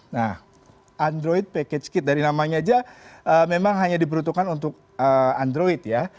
nah android package kit dari namanya aja memang hanya diperuntukkan untuk android ya